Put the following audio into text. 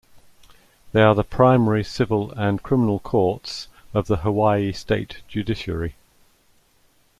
They are the primary civil and criminal courts of the Hawaii State Judiciary.